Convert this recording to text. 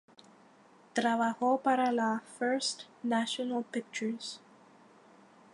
Trabajó para la First National Pictures.